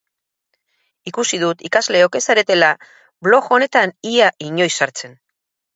Ikusi dut ikasleok ez zaretela blog honetan ia inoiz sartzen.